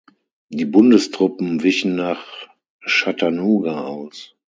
Die Bundestruppen wichen nach Chattanooga aus.